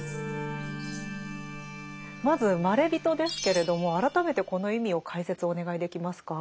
まず「まれびと」ですけれども改めてこの意味を解説お願いできますか？